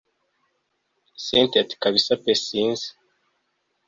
cyntia ati kabsa pe sinzi